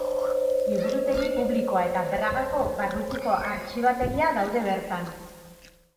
Liburutegi publikoa eta Bragako barrutiko artxibategia daude bertan.